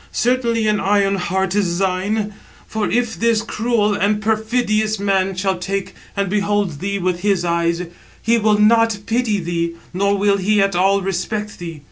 Certainly an iron heart is thine. For if this cruel and perfidious man shall take and behold 783 thee with his eyes, he will not pity thee, nor will he at all respect thee.